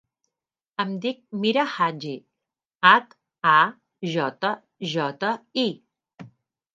Em dic Mira Hajji: hac, a, jota, jota, i.